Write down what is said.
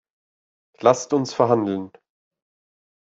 Lasst uns verhandeln.